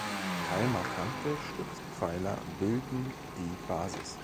Drei markante Stützpfeiler bilden die Basis.